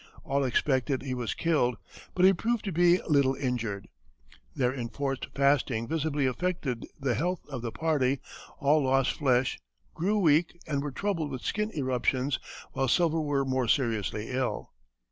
All expected he was killed, but he proved to be little injured. Their enforced fasting visibly affected the health of the party; all lost flesh, grew weak, and were troubled with skin eruptions, while several were more seriously ill.